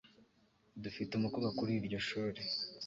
dufite umukobwa kuri iryo shuri